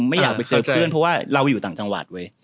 ไม่อยากไปเจอเพื่อนเพราะว่าเราอยู่ต่างจังหวัดเว้ย